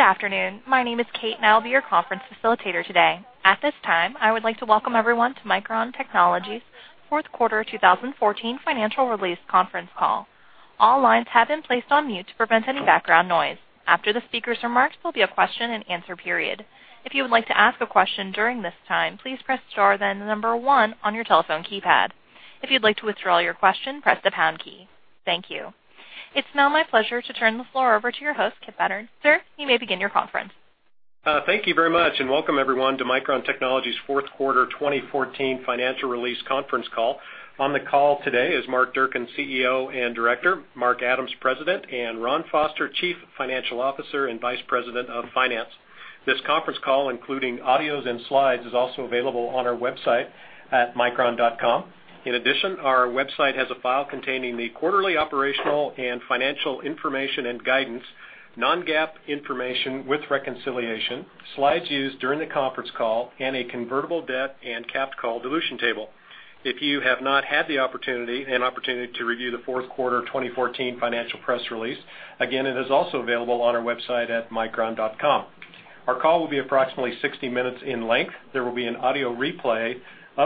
Good afternoon. My name is Kate, and I'll be your conference facilitator today. At this time, I would like to welcome everyone to Micron Technology's fourth quarter 2014 financial release conference call. All lines have been placed on mute to prevent any background noise. After the speakers' remarks, there'll be a question and answer period. If you would like to ask a question during this time, please press star, then the number 1 on your telephone keypad. If you'd like to withdraw your question, press the pound key. Thank you. It's now my pleasure to turn the floor over to your host, Kippen Ballard. Sir, you may begin your conference. Thank you very much. Welcome everyone to Micron Technology's fourth quarter 2014 financial release conference call. On the call today is Mark Durcan, CEO and Director, Mark Adams, President, and Ron Foster, Chief Financial Officer and Vice President of Finance. This conference call, including audios and slides, is also available on our website at micron.com. In addition, our website has a file containing the quarterly operational and financial information and guidance, non-GAAP information with reconciliation, slides used during the conference call, and a convertible debt and capped call dilution table. If you have not had an opportunity to review the fourth quarter 2014 financial press release, again, it is also available on our website at micron.com. Our call will be approximately 60 minutes in length. There will be an audio replay of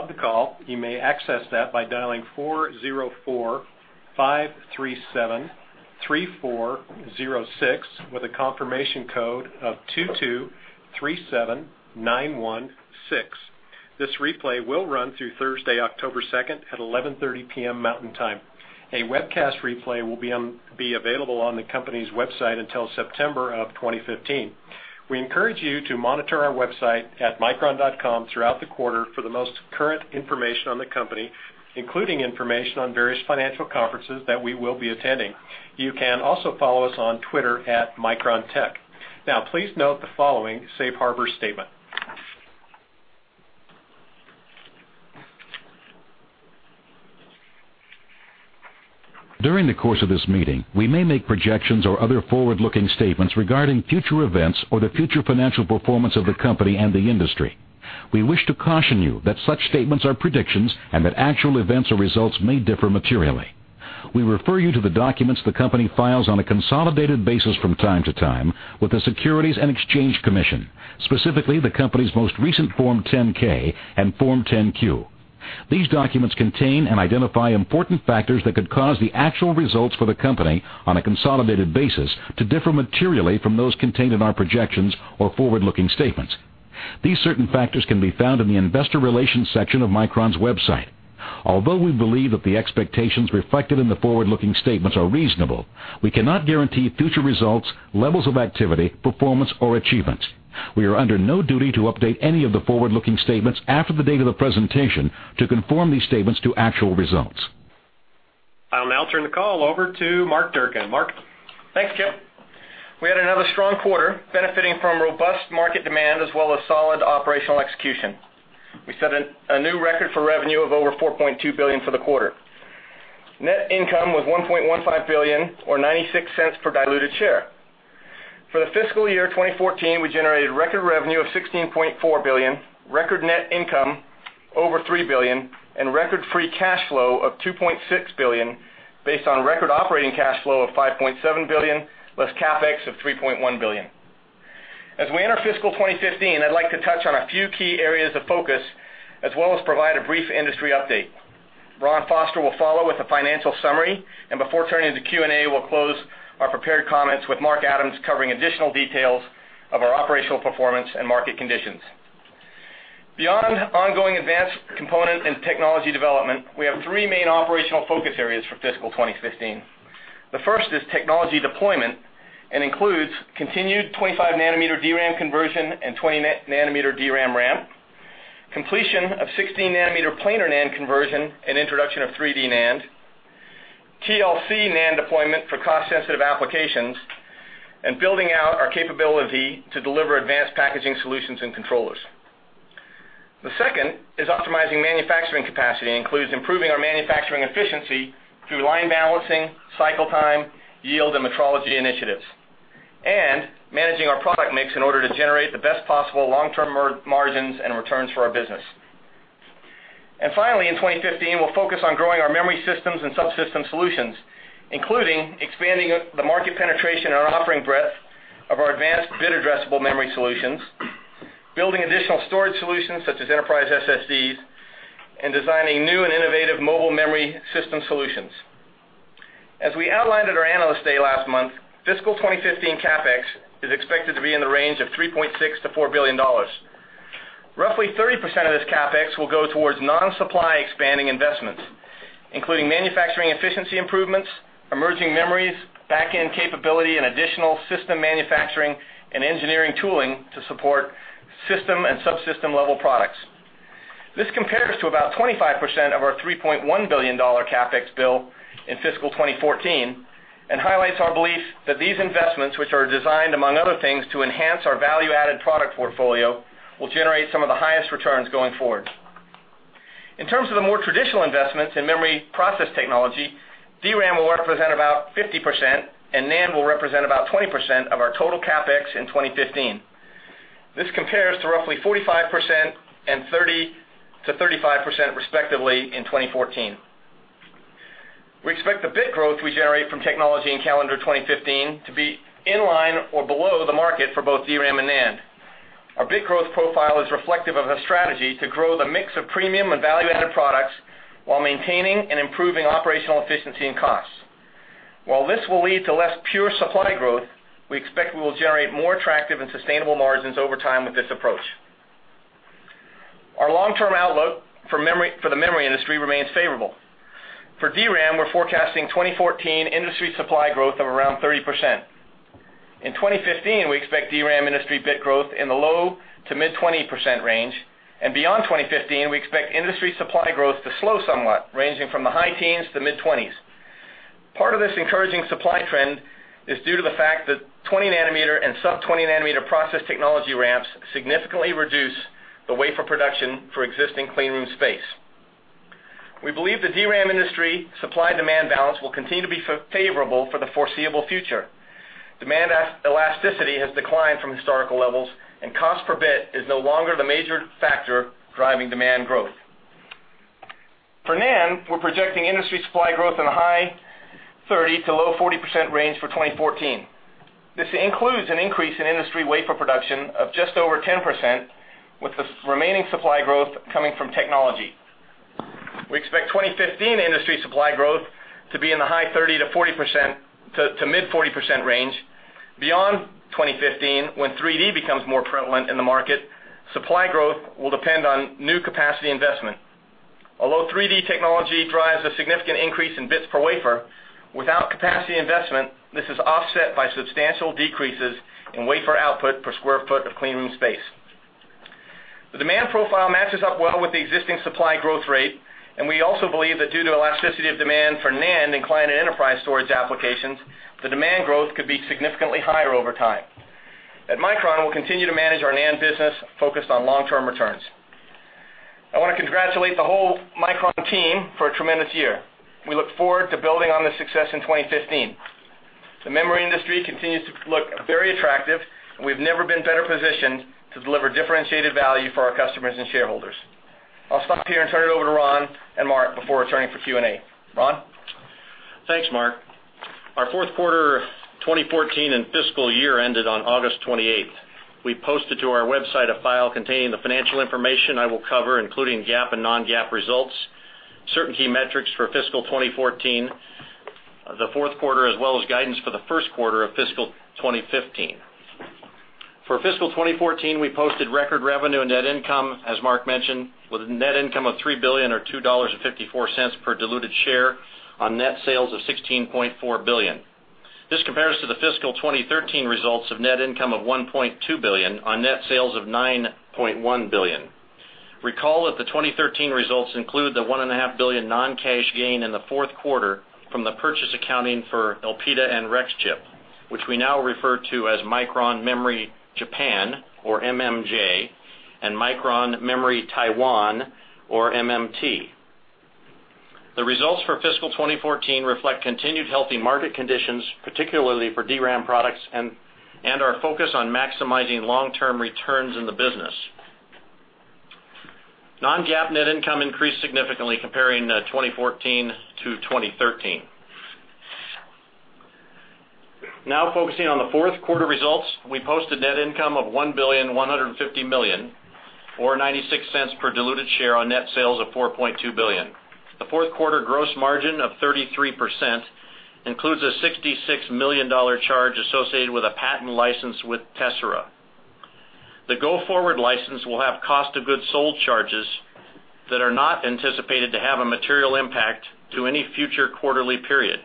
the call. You may access that by dialing 404-537-3406 with a confirmation code of 2237916. This replay will run through Thursday, October 2nd at 11:30 P.M. Mountain Time. A webcast replay will be available on the company's website until September of 2015. We encourage you to monitor our website at micron.com throughout the quarter for the most current information on the company, including information on various financial conferences that we will be attending. You can also follow us on Twitter at MicronTech. Please note the following safe harbor statement. During the course of this meeting, we may make projections or other forward-looking statements regarding future events or the future financial performance of the company and the industry. We wish to caution you that such statements are predictions and that actual events or results may differ materially. We refer you to the documents the company files on a consolidated basis from time to time with the Securities and Exchange Commission, specifically the company's most recent Form 10-K and Form 10-Q. These documents contain and identify important factors that could cause the actual results for the company on a consolidated basis to differ materially from those contained in our projections or forward-looking statements. These certain factors can be found in the investor relations section of Micron's website. Although we believe that the expectations reflected in the forward-looking statements are reasonable, we cannot guarantee future results, levels of activity, performance, or achievements. We are under no duty to update any of the forward-looking statements after the date of the presentation to conform these statements to actual results. I'll now turn the call over to Mark Durcan. Mark? Thanks, Kip. We had another strong quarter benefiting from robust market demand as well as solid operational execution. We set a new record for revenue of over $4.2 billion for the quarter. Net income was $1.15 billion, or $0.96 per diluted share. For the fiscal year 2014, we generated record revenue of $16.4 billion, record net income over $3 billion, and record free cash flow of $2.6 billion based on record operating cash flow of $5.7 billion, less CapEx of $3.1 billion. As we enter fiscal 2015, I'd like to touch on a few key areas of focus, as well as provide a brief industry update. Ron Foster will follow with a financial summary, and before turning to the Q&A, we'll close our prepared comments with Mark Adams covering additional details of our operational performance and market conditions. Beyond ongoing advanced component and technology development, we have three main operational focus areas for fiscal 2015. The first is technology deployment and includes continued 25-nanometer DRAM conversion and 20-nanometer DRAM ramp, completion of 16-nanometer planar NAND conversion and introduction of 3D NAND, TLC NAND deployment for cost-sensitive applications, and building out our capability to deliver advanced packaging solutions and controllers. The second is optimizing manufacturing capacity and includes improving our manufacturing efficiency through line balancing, cycle time, yield, and metrology initiatives. Managing our product mix in order to generate the best possible long-term margins and returns for our business. Finally, in 2015, we'll focus on growing our memory systems and subsystem solutions, including expanding the market penetration and offering breadth of our advanced bit addressable memory solutions, building additional storage solutions such as enterprise SSDs, and designing new and innovative mobile memory system solutions. As we outlined at our Analyst Day last month, fiscal 2015 CapEx is expected to be in the range of $3.6 billion-$4 billion. Roughly 30% of this CapEx will go towards non-supply expanding investments, including manufacturing efficiency improvements, emerging memories, back-end capability, and additional system manufacturing and engineering tooling to support system and subsystem-level products. This compares to about 25% of our $3.1 billion CapEx bill in fiscal 2014 and highlights our belief that these investments, which are designed, among other things, to enhance our value-added product portfolio, will generate some of the highest returns going forward. In terms of the more traditional investments in memory process technology, DRAM will represent about 50%, and NAND will represent about 20% of our total CapEx in 2015. This compares to roughly 45% and 30%-35% respectively in 2014. We expect the bit growth we generate from technology in calendar 2015 to be in line or below the market for both DRAM and NAND. Our bit growth profile is reflective of a strategy to grow the mix of premium and value-added products while maintaining and improving operational efficiency and costs. While this will lead to less pure supply growth, we expect we will generate more attractive and sustainable margins over time with this approach. Our long-term outlook for the memory industry remains favorable. For DRAM, we're forecasting 2014 industry supply growth of around 30%. In 2015, we expect DRAM industry bit growth in the low to mid-20% range, and beyond 2015, we expect industry supply growth to slow somewhat, ranging from the high teens to mid-20s. Part of this encouraging supply trend is due to the fact that 20-nanometer and sub-20-nanometer process technology ramps significantly reduce the wafer production for existing clean room space. We believe the DRAM industry supply-demand balance will continue to be favorable for the foreseeable future. Demand elasticity has declined from historical levels, and cost per bit is no longer the major factor driving demand growth. For NAND, we're projecting industry supply growth in a high 30% to low 40% range for 2014. This includes an increase in industry wafer production of just over 10%, with the remaining supply growth coming from technology. We expect 2015 industry supply growth to be in the high 30% to mid 40% range. Beyond 2015, when 3D becomes more prevalent in the market, supply growth will depend on new capacity investment. Although 3D technology drives a significant increase in bits per wafer, without capacity investment, this is offset by substantial decreases in wafer output per square foot of clean room space. The demand profile matches up well with the existing supply growth rate, and we also believe that due to elasticity of demand for NAND in client and enterprise storage applications, the demand growth could be significantly higher over time. At Micron, we'll continue to manage our NAND business focused on long-term returns. I want to congratulate the whole Micron team for a tremendous year. We look forward to building on this success in 2015. The memory industry continues to look very attractive, and we've never been better positioned to deliver differentiated value for our customers and shareholders. I'll stop here and turn it over to Ron and Mark before turning for Q&A. Ron? Thanks, Mark. Our fourth quarter 2014 and fiscal year ended on August 28th. We posted to our website a file containing the financial information I will cover, including GAAP and non-GAAP results, certain key metrics for fiscal 2014, the fourth quarter, as well as guidance for the first quarter of fiscal 2015. For fiscal 2014, we posted record revenue and net income, as Mark mentioned, with a net income of $3 billion or $2.54 per diluted share on net sales of $16.4 billion. This compares to the fiscal 2013 results of net income of $1.2 billion on net sales of $9.1 billion. Recall that the 2013 results include the $1.5 billion non-cash gain in the fourth quarter from the purchase accounting for Elpida and Rexchip, which we now refer to as Micron Memory Japan, or MMJ, and Micron Memory Taiwan, or MMT. The results for fiscal 2014 reflect continued healthy market conditions, particularly for DRAM products and our focus on maximizing long-term returns in the business. Non-GAAP net income increased significantly comparing 2014 to 2013. Now focusing on the fourth quarter results, we posted net income of $1.15 billion or $0.96 per diluted share on net sales of $4.2 billion. The fourth quarter gross margin of 33% includes a $66 million charge associated with a patent license with Tessera. The go-forward license will have cost of goods sold charges that are not anticipated to have a material impact to any future quarterly period.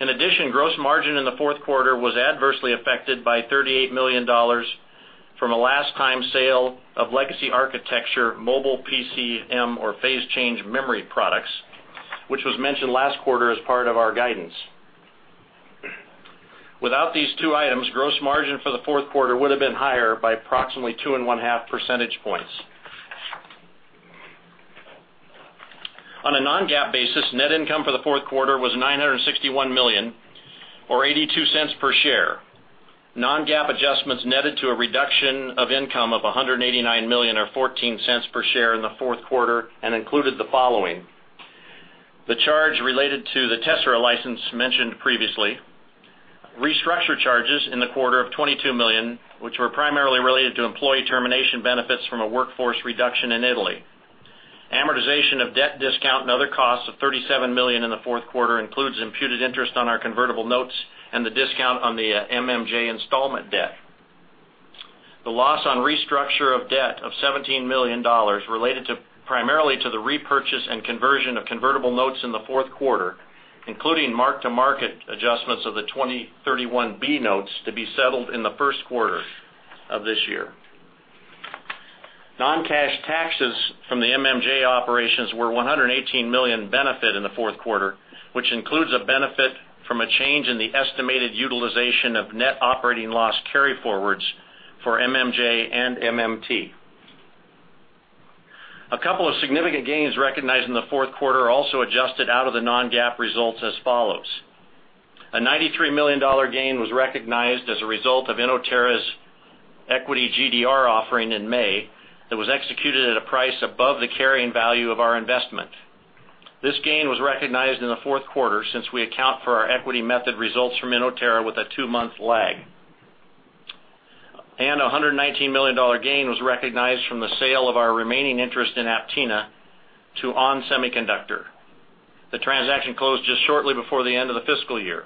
In addition, gross margin in the fourth quarter was adversely affected by $38 million from a last-time sale of legacy architecture mobile PCM or phase-change memory products, which was mentioned last quarter as part of our guidance. Without these two items, gross margin for the fourth quarter would've been higher by approximately two and one-half percentage points. On a non-GAAP basis, net income for the fourth quarter was $961 million or $0.82 per share. Non-GAAP adjustments netted to a reduction of income of $189 million or $0.14 per share in the fourth quarter and included the following: the charge related to the Tessera license mentioned previously, restructure charges in the quarter of $22 million, which were primarily related to employee termination benefits from a workforce reduction in Italy. Amortization of debt discount and other costs of $37 million in the fourth quarter includes imputed interest on our convertible notes and the discount on the MMJ installment debt. The loss on restructure of debt of $17 million related primarily to the repurchase and conversion of convertible notes in the fourth quarter, including mark-to-market adjustments of the 2031B Notes to be settled in the first quarter of this year. Non-cash taxes from the MMJ operations were $118 million benefit in the fourth quarter, which includes a benefit from a change in the estimated utilization of net operating loss carryforwards for MMJ and MMT. A couple of significant gains recognized in the fourth quarter also adjusted out of the non-GAAP results as follows. A $93 million gain was recognized as a result of Inotera's equity GDR offering in May, that was executed at a price above the carrying value of our investment. This gain was recognized in the fourth quarter, since we account for our equity method results from Inotera with a two-month lag. A $119 million gain was recognized from the sale of our remaining interest in Aptina to ON Semiconductor. The transaction closed just shortly before the end of the fiscal year.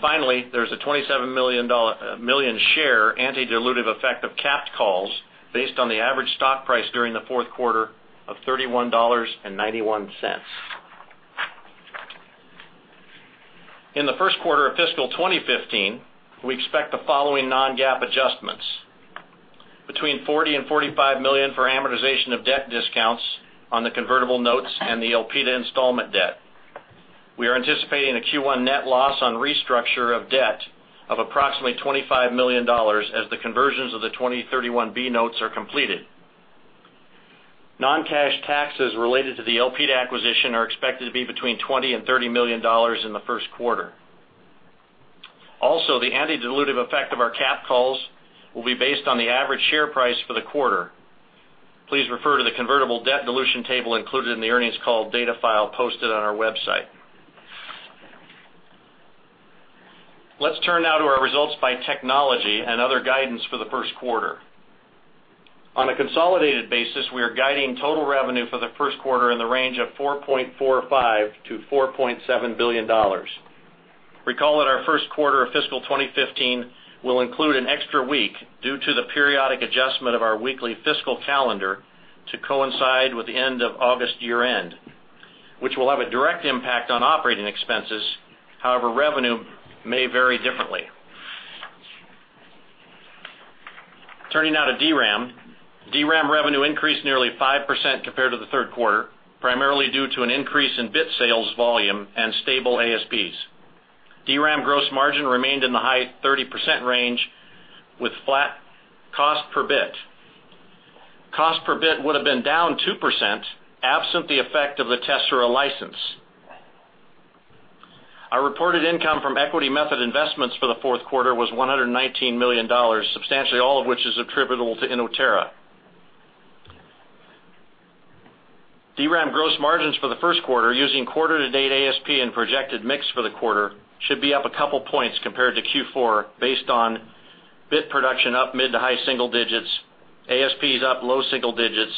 Finally, there is a 27 million share anti-dilutive effect of capped calls based on the average stock price during the fourth quarter of $31.91. In the first quarter of fiscal 2015, we expect the following non-GAAP adjustments. Between $40 and $45 million for amortization of debt discounts on the convertible notes and the Elpida installment debt. We are anticipating a Q1 net loss on restructure of debt of approximately $25 million as the conversions of the 2031B Notes are completed. Non-cash taxes related to the Elpida acquisition are expected to be between $20 and $30 million in the first quarter. Also, the anti-dilutive effect of our capped calls will be based on the average share price for the quarter. Please refer to the convertible debt dilution table included in the earnings call data file posted on our website. Turn now to our results by technology and other guidance for the first quarter. On a consolidated basis, we are guiding total revenue for the first quarter in the range of $4.45 billion to $4.7 billion. Recall that our first quarter of fiscal 2015 will include an extra week due to the periodic adjustment of our weekly fiscal calendar to coincide with the end of August year-end, which will have a direct impact on operating expenses. However, revenue may vary differently. Turning now to DRAM. DRAM revenue increased nearly 5% compared to the third quarter, primarily due to an increase in bit sales volume and stable ASPs. DRAM gross margin remained in the high 30% range with flat cost per bit. Cost per bit would have been down 2%, absent the effect of the Tessera license. Our reported income from equity method investments for the fourth quarter was $119 million, substantially all of which is attributable to Inotera. DRAM gross margins for the first quarter, using quarter to date ASP and projected mix for the quarter, should be up a couple points compared to Q4, based on bit production up mid to high single digits, ASPs up low single digits,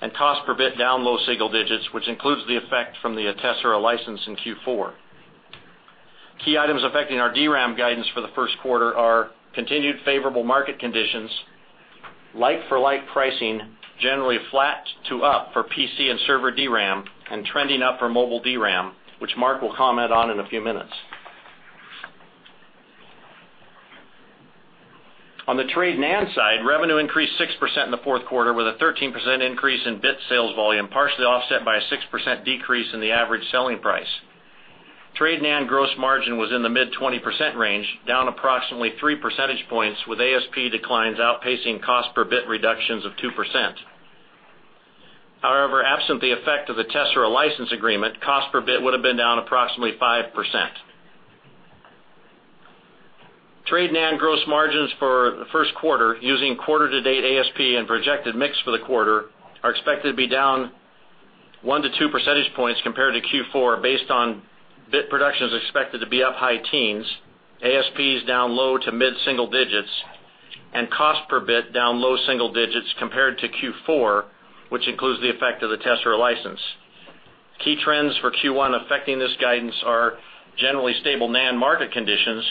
and cost per bit down low single digits, which includes the effect from the Tessera license in Q4. Key items affecting our DRAM guidance for the first quarter are continued favorable market conditions, like-for-like pricing, generally flat to up for PC and server DRAM, and trending up for mobile DRAM, which Mark will comment on in a few minutes. The trade NAND side, revenue increased 6% in the fourth quarter with a 13% increase in bit sales volume, partially offset by a 6% decrease in the average selling price. Trade NAND gross margin was in the mid 20% range, down approximately three percentage points, with ASP declines outpacing cost per bit reductions of 2%. However, absent the effect of the Tessera license agreement, cost per bit would have been down approximately 5%. Trade NAND gross margins for the first quarter, using quarter to date ASP and projected mix for the quarter, are expected to be down one to two percentage points compared to Q4, based on bit production is expected to be up high teens, ASPs down low to mid-single digits, and cost per bit down low single digits compared to Q4, which includes the effect of the Tessera license. Key trends for Q1 affecting this guidance are generally stable NAND market conditions,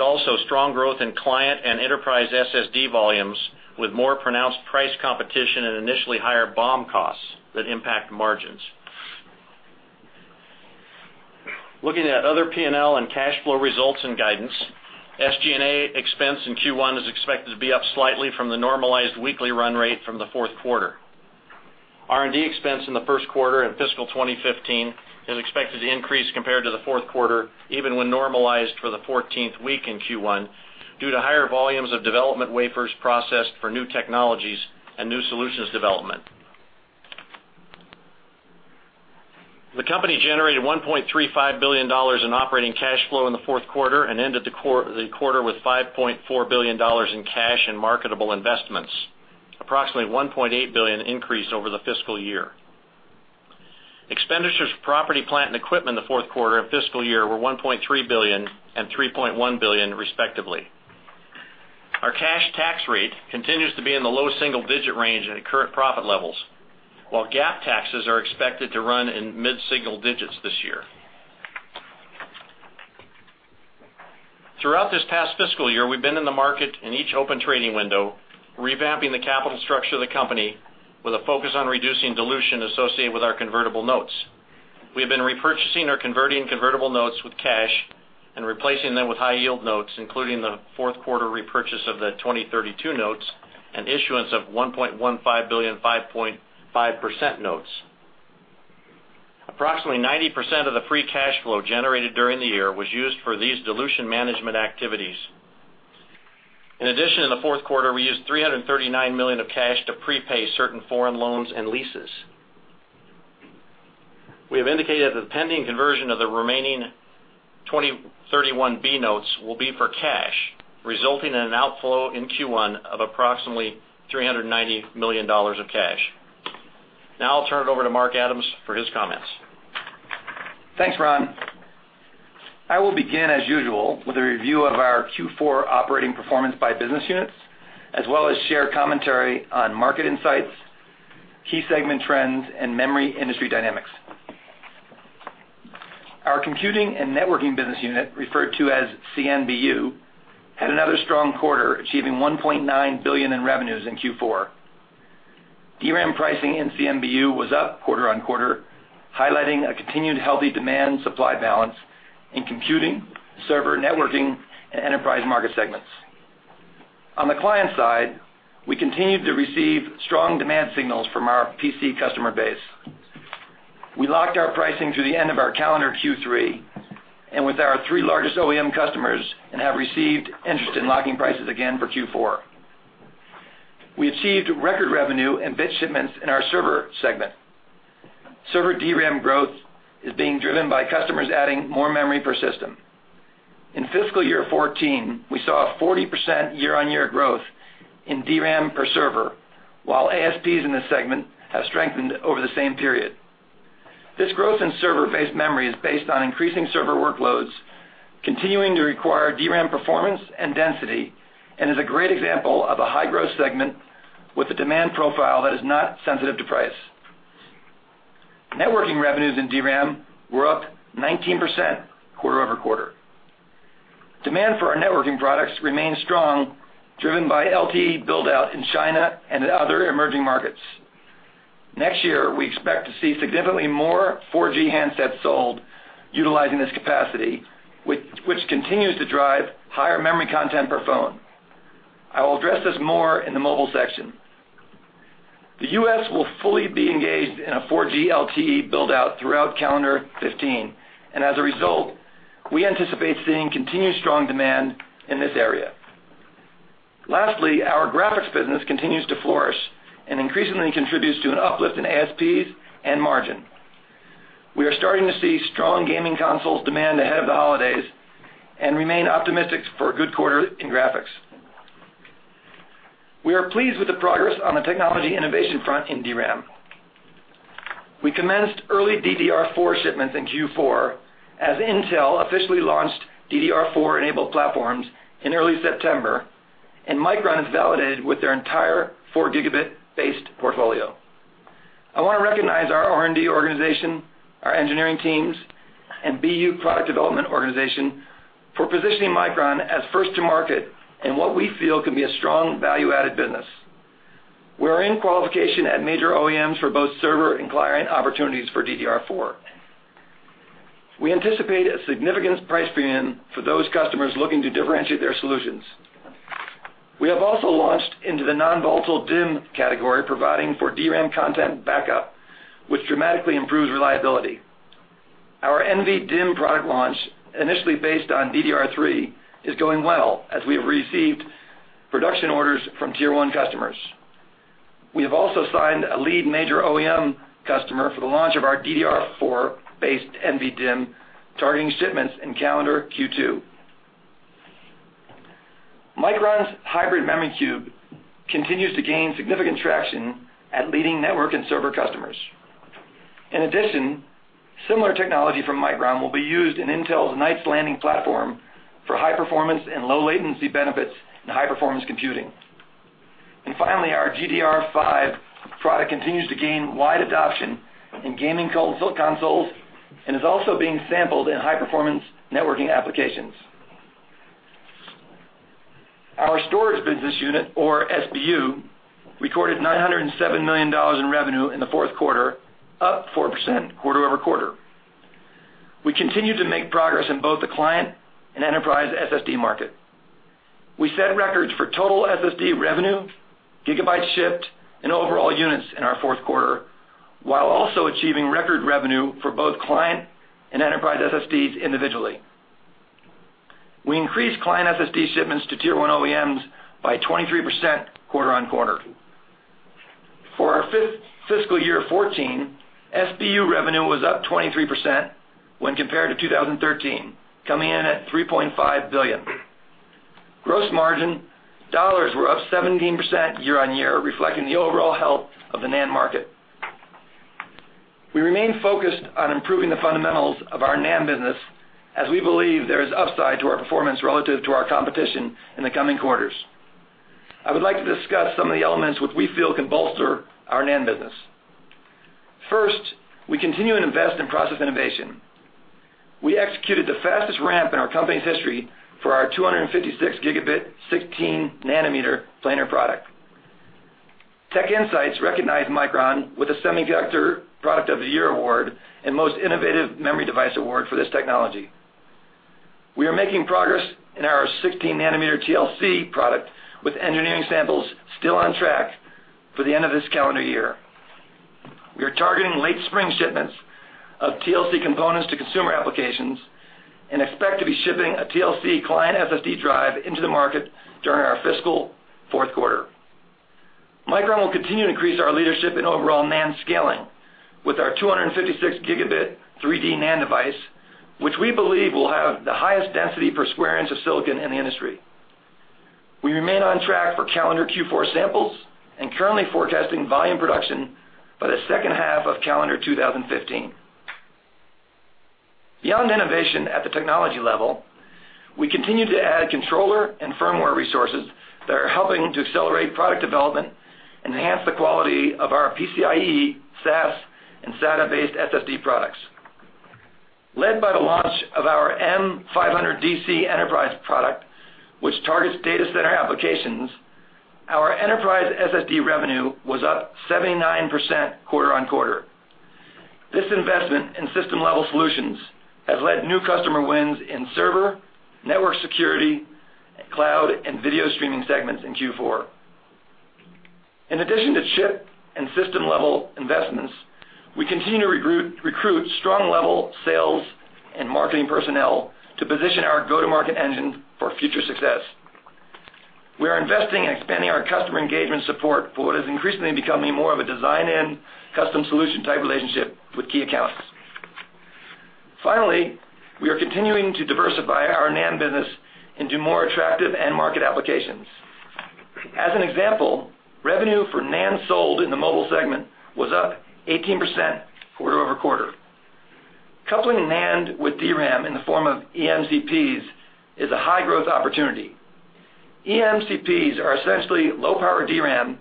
also strong growth in client and enterprise SSD volumes, with more pronounced price competition and initially higher BOM costs that impact margins. Looking at other P&L and cash flow results and guidance, SG&A expense in Q1 is expected to be up slightly from the normalized weekly run rate from the fourth quarter. R&D expense in the first quarter in fiscal 2015 is expected to increase compared to the fourth quarter, even when normalized for the 14th week in Q1, due to higher volumes of development wafers processed for new technologies and new solutions development. The company generated $1.35 billion in operating cash flow in the fourth quarter and ended the quarter with $5.4 billion in cash and marketable investments, approximately $1.8 billion increase over the fiscal year. Expenditures for property, plant, and equipment in the fourth quarter and fiscal year were $1.3 billion and $3.1 billion, respectively. Our cash tax rate continues to be in the low single-digit range at current profit levels, while GAAP taxes are expected to run in mid-single digits this year. Throughout this past fiscal year, we've been in the market in each open trading window, revamping the capital structure of the company with a focus on reducing dilution associated with our convertible notes. We have been repurchasing or converting convertible notes with cash and replacing them with high-yield notes, including the fourth-quarter repurchase of the 2032 notes and issuance of $1.15 billion 5.5% notes. Approximately 90% of the free cash flow generated during the year was used for these dilution management activities. In addition, in the fourth quarter, we used $339 million of cash to prepay certain foreign loans and leases. We have indicated that the pending conversion of the remaining 2031B Notes will be for cash, resulting in an outflow in Q1 of approximately $390 million of cash. I'll turn it over to Mark Adams for his comments. Thanks, Ron. I will begin, as usual, with a review of our Q4 operating performance by business units, as well as share commentary on market insights, key segment trends, and memory industry dynamics. Our computing and networking business unit, referred to as CNBU, had another strong quarter, achieving $1.9 billion in revenues in Q4. DRAM pricing in CNBU was up quarter-on-quarter, highlighting a continued healthy demand supply balance in computing, server networking, and enterprise market segments. On the client side, we continued to receive strong demand signals from our PC customer base. We locked our pricing through the end of our calendar Q3 and with our three largest OEM customers and have received interest in locking prices again for Q4. We achieved record revenue and bit shipments in our server segment. Server DRAM growth is being driven by customers adding more memory per system. In fiscal year 2014, we saw a 40% year-over-year growth in DRAM per server, while ASPs in this segment have strengthened over the same period. This growth in server-based memory is based on increasing server workloads, continuing to require DRAM performance and density, and is a great example of a high-growth segment with a demand profile that is not sensitive to price. Networking revenues in DRAM were up 19% quarter-over-quarter. Demand for our networking products remains strong, driven by LTE build-out in China and in other emerging markets. Next year, we expect to see significantly more 4G handsets sold utilizing this capacity, which continues to drive higher memory content per phone. I will address this more in the mobile section. The U.S. will fully be engaged in a 4G LTE build-out throughout calendar 2015, as a result, we anticipate seeing continued strong demand in this area. Lastly, our graphics business continues to flourish and increasingly contributes to an uplift in ASPs and margin. We are starting to see strong gaming consoles demand ahead of the holidays and remain optimistic for a good quarter in graphics. We are pleased with the progress on the technology innovation front in DRAM. We commenced early DDR4 shipments in Q4 as Intel officially launched DDR4-enabled platforms in early September, and Micron is validated with their entire 4 gigabit-based portfolio. I want to recognize our R&D organization, our engineering teams, and BU product development organization for positioning Micron as first to market in what we feel can be a strong value-added business. We are in qualification at major OEMs for both server and client opportunities for DDR4. We anticipate a significant price premium for those customers looking to differentiate their solutions. We have also launched into the non-volatile DIMM category, providing for DRAM content backup, which dramatically improves reliability. Our NVDIMM product launch, initially based on DDR3, is going well as we have received production orders from tier 1 customers. We have also signed a lead major OEM customer for the launch of our DDR4-based NVDIMM, targeting shipments in calendar Q2. Micron's Hybrid Memory Cube continues to gain significant traction at leading network and server customers. In addition, similar technology from Micron will be used in Intel's Knights Landing platform for high performance and low latency benefits in high-performance computing. Finally, our GDDR5 product continues to gain wide adoption in gaming consoles and is also being sampled in high-performance networking applications. Our storage business unit, or SBU, recorded $907 million in revenue in the fourth quarter, up 4% quarter-over-quarter. We continue to make progress in both the client and enterprise SSD market. We set records for total SSD revenue, gigabytes shipped, and overall units in our fourth quarter, while also achieving record revenue for both client and enterprise SSDs individually. We increased client SSD shipments to tier 1 OEMs by 23% quarter-on-quarter. For our fiscal year 2014, SBU revenue was up 23% when compared to 2013, coming in at $3.5 billion. Gross margin dollars were up 17% year on year, reflecting the overall health of the NAND market. We remain focused on improving the fundamentals of our NAND business as we believe there is upside to our performance relative to our competition in the coming quarters. I would like to discuss some of the elements which we feel can bolster our NAND business. First, we continue to invest in process innovation. We executed the fastest ramp in our company's history for our 256 gigabit 16-nanometer planar product. TechInsights recognized Micron with the Semiconductor of the Year Award and Most Innovative Memory Device Award for this technology. We are making progress in our 16-nanometer TLC product with engineering samples still on track for the end of this calendar year. We are targeting late spring shipments of TLC components to consumer applications and expect to be shipping a TLC client SSD drive into the market during our fiscal fourth quarter. Micron will continue to increase our leadership in overall NAND scaling with our 256 gigabit 3D NAND device, which we believe will have the highest density per square inch of silicon in the industry. We remain on track for calendar Q4 samples and currently forecasting volume production by the second half of calendar 2015. Beyond innovation at the technology level, we continue to add controller and firmware resources that are helping to accelerate product development, enhance the quality of our PCIe, SAS, and SATA-based SSD products. Led by the launch of our M500DC enterprise product, which targets data center applications, our enterprise SSD revenue was up 79% quarter-over-quarter. This investment in system-level solutions has led new customer wins in server, network security, and cloud and video streaming segments in Q4. In addition to chip and system-level investments, we continue to recruit strong level sales and marketing personnel to position our go-to-market engine for future success. We are investing in expanding our customer engagement support for what is increasingly becoming more of a design and custom solution-type relationship with key accounts. We are continuing to diversify our NAND business into more attractive end market applications. As an example, revenue for NAND sold in the mobile segment was up 18% quarter-over-quarter. Coupling NAND with DRAM in the form of eMCPs is a high-growth opportunity. eMCPs are essentially low-power DRAM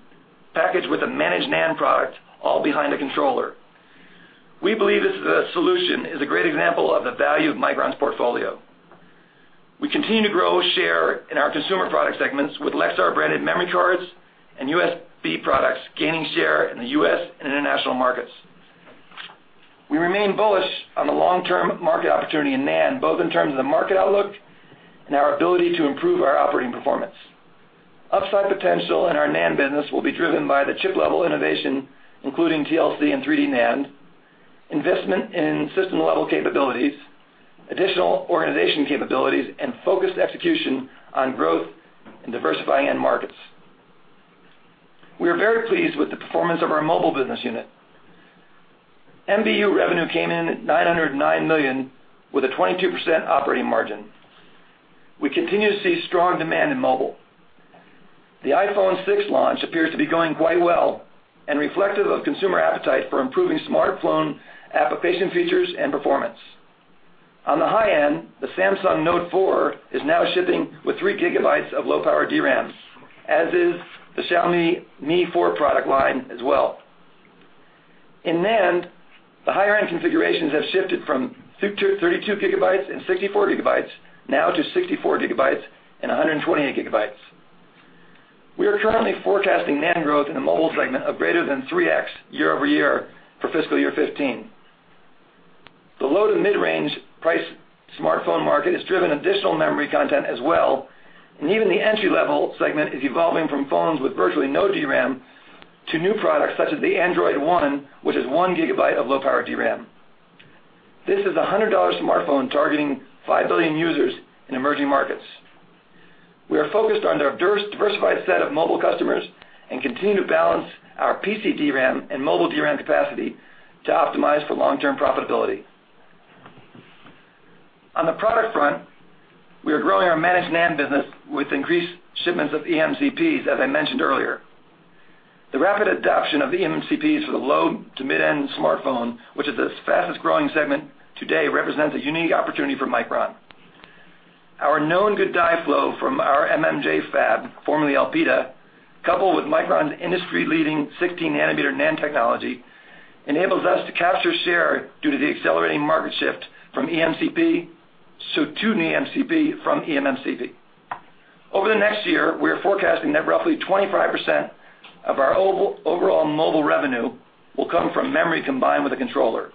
packaged with a managed NAND product all behind a controller. We believe this solution is a great example of the value of Micron's portfolio. We continue to grow share in our consumer product segments with Lexar-branded memory cards and USB products, gaining share in the U.S. and international markets. We remain bullish on the long-term market opportunity in NAND, both in terms of the market outlook and our ability to improve our operating performance. Upside potential in our NAND business will be driven by the chip-level innovation, including TLC and 3D NAND, investment in system-level capabilities, additional organization capabilities, and focused execution on growth and diversifying end markets. We are very pleased with the performance of our mobile business unit. MBU revenue came in at $909 million, with a 22% operating margin. We continue to see strong demand in mobile. The iPhone 6 launch appears to be going quite well and reflective of consumer appetite for improving smartphone application features and performance. On the high-end, the Samsung Note 4 is now shipping with three gigabytes of low-power DRAM, as is the Xiaomi Mi 4 product line as well. In NAND, the higher-end configurations have shifted from 32 gigabytes and 64 gigabytes now to 64 gigabytes and 128 gigabytes. We are currently forecasting NAND growth in the mobile segment of greater than 3x year-over-year for fiscal year 2015. The low to mid-range price smartphone market has driven additional memory content as well. Even the entry-level segment is evolving from phones with virtually no DRAM to new products such as the Android One, which is 1 GB of low-power DRAM. This is a $100 smartphone targeting 5 billion users in emerging markets. We are focused on our diversified set of mobile customers and continue to balance our PC DRAM and mobile DRAM capacity to optimize for long-term profitability. On the product front, we are growing our managed NAND business with increased shipments of eMCPs, as I mentioned earlier. The rapid adoption of eMCPs for the low to mid-end smartphone, which is the fastest-growing segment today, represents a unique opportunity for Micron. Our known good die flow from our MMJ fab, formerly Elpida, coupled with Micron's industry-leading 16-nanometer NAND technology, enables us to capture share due to the accelerating market shift from eMCP, so to the eMCP from eMMC. Over the next year, we are forecasting that roughly 25% of our overall mobile revenue will come from memory combined with a controller.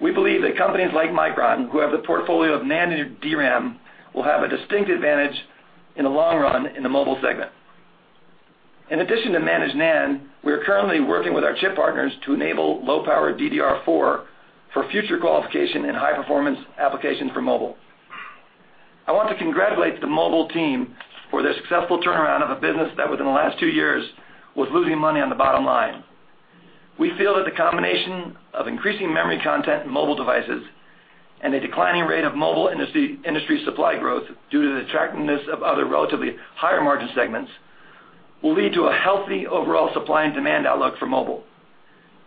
We believe that companies like Micron, who have the portfolio of managed DRAM, will have a distinct advantage in the long run in the mobile segment. In addition to managed NAND, we are currently working with our chip partners to enable low-power DDR4 for future qualification in high-performance applications for mobile. I want to congratulate the mobile team for their successful turnaround of a business that within the last two years was losing money on the bottom line. We feel that the combination of increasing memory content in mobile devices and a declining rate of mobile industry supply growth due to the attractiveness of other relatively higher-margin segments will lead to a healthy overall supply and demand outlook for mobile.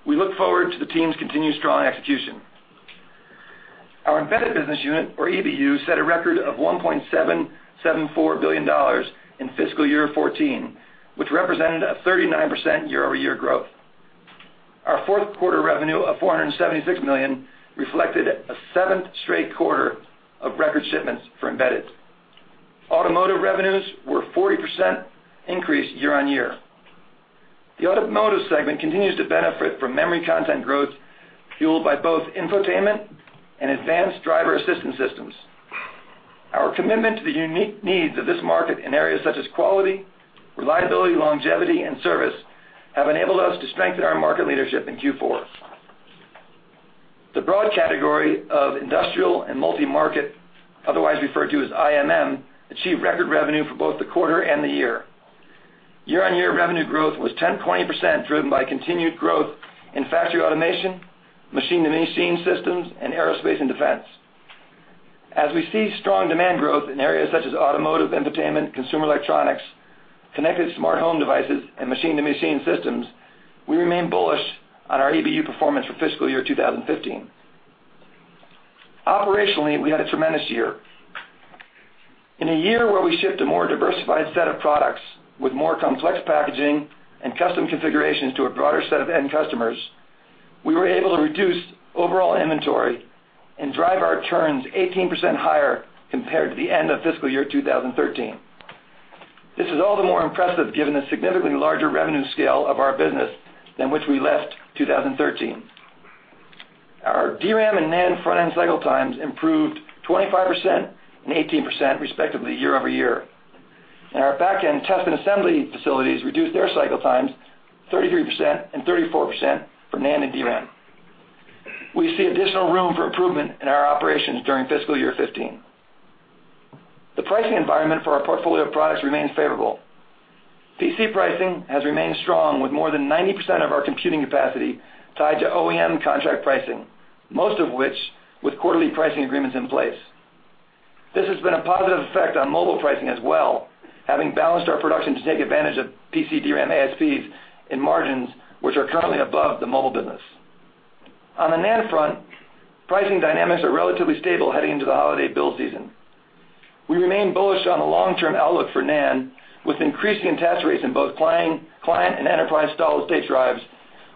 We look forward to the team's continued strong execution. Our Embedded Business Unit, or EBU, set a record of $1.774 billion in fiscal year 2014, which represented a 39% year-over-year growth. Our fourth quarter revenue of $476 million reflected a seventh straight quarter of record shipments for embedded. Automotive revenues were 40% increase year-on-year. The automotive segment continues to benefit from memory content growth fueled by both infotainment and advanced driver assistance systems. Our commitment to the unique needs of this market in areas such as quality, reliability, longevity, and service have enabled us to strengthen our market leadership in Q4. The broad category of industrial and multi-market, otherwise referred to as IMM, achieved record revenue for both the quarter and the year. Year-on-year revenue growth was 10.8%, driven by continued growth in factory automation, machine-to-machine systems, and aerospace and defense. As we see strong demand growth in areas such as automotive, entertainment, consumer electronics, connected smart home devices, and machine-to-machine systems, we remain bullish on our EBU performance for fiscal year 2015. Operationally, we had a tremendous year. In a year where we shipped a more diversified set of products with more complex packaging and custom configurations to a broader set of end customers, we were able to reduce overall inventory and drive our turns 18% higher compared to the end of fiscal year 2013. This is all the more impressive given the significantly larger revenue scale of our business than which we left 2013. Our DRAM and NAND front-end cycle times improved 25% and 18%, respectively, year-over-year. Our back-end test and assembly facilities reduced their cycle times 33% and 34% for NAND and DRAM. We see additional room for improvement in our operations during fiscal year 2015. The pricing environment for our portfolio of products remains favorable. PC pricing has remained strong with more than 90% of our computing capacity tied to OEM contract pricing, most of which with quarterly pricing agreements in place. This has been a positive effect on mobile pricing as well, having balanced our production to take advantage of PC DRAM ASPs and margins, which are currently above the mobile business. On the NAND front, pricing dynamics are relatively stable heading into the holiday build season. We remain bullish on the long-term outlook for NAND, with increasing attach rates in both client and enterprise solid-state drives,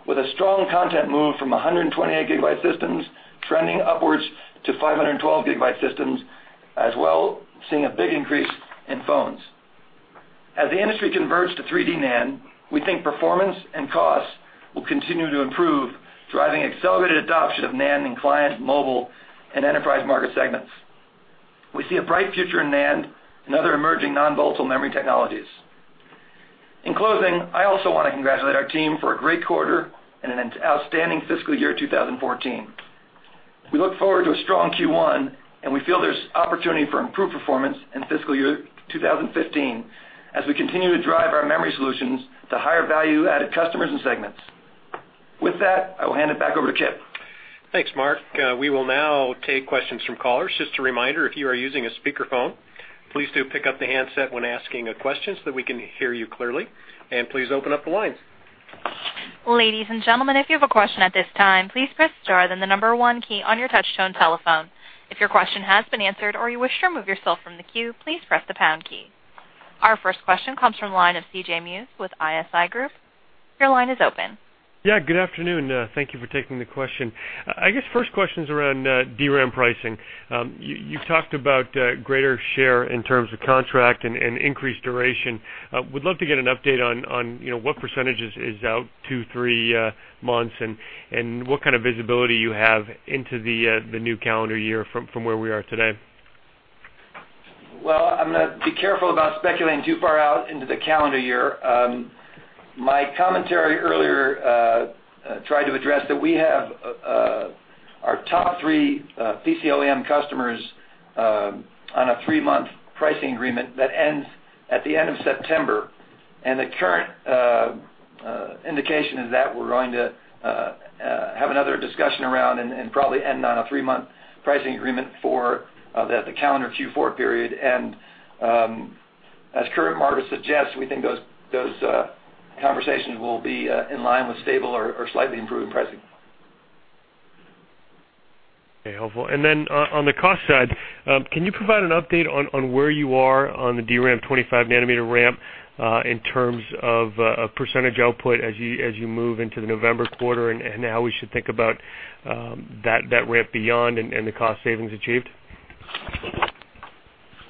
with a strong content move from 128-gigabyte systems trending upwards to 512-gigabyte systems, as well seeing a big increase in phones. As the industry converts to 3D NAND, we think performance and costs will continue to improve, driving accelerated adoption of NAND in client, mobile, and enterprise market segments. We see a bright future in NAND and other emerging non-volatile memory technologies. In closing, I also want to congratulate our team for a great quarter and an outstanding fiscal year 2014. We look forward to a strong Q1, and we feel there's opportunity for improved performance in fiscal year 2015 as we continue to drive our memory solutions to higher value-added customers and segments. With that, I will hand it back over to Chip. Thanks, Mark. We will now take questions from callers. Just a reminder, if you are using a speakerphone, please do pick up the handset when asking a question so that we can hear you clearly, and please open up the lines. Ladies and gentlemen, if you have a question at this time, please press star then the number one key on your touchtone telephone. If your question has been answered or you wish to remove yourself from the queue, please press the pound key. Our first question comes from the line of C.J. Muse with ISI Group. Your line is open. Yeah, good afternoon. Thank you for taking the question. I guess first question is around DRAM pricing. You talked about greater share in terms of contract and increased duration. Would love to get an update on what percentages is out two, three months, and what kind of visibility you have into the new calendar year from where we are today. Well, I'm going to be careful about speculating too far out into the calendar year. My commentary earlier tried to address that we have our top three PC OEM customers on a three-month pricing agreement that ends at the end of September. The current indication is that we're going to have another discussion around and probably end on a three-month pricing agreement for the calendar Q4 period. As current market suggests, we think those conversations will be in line with stable or slightly improving pricing. Okay, helpful. On the cost side, can you provide an update on where you are on the DRAM 25-nanometer ramp in terms of percentage output as you move into the November quarter and how we should think about that ramp beyond and the cost savings achieved?